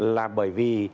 là bởi vì